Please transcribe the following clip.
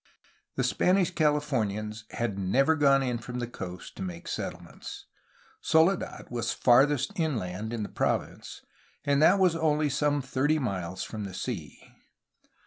The Spanish Californians had never gone in from the coast to make settlements. Soledad was farthest inland in the province, and that was only some thirty miles from the sea.